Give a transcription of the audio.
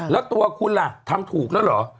แล้วตัวคุณล่ะทำถูกแล้วเหรอ